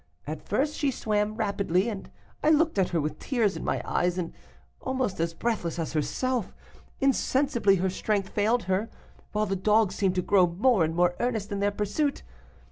At first she swam rapidly, and I looked at her with tears in my eyes, and almost as breathless as herself; insensibly her strength failed her, while the dogs seemed to grow more and more earnest in their pursuit.